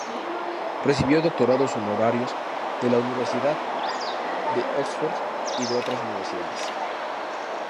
Recibió doctorados honorarios de la Universidad de Oxford y de otras universidades.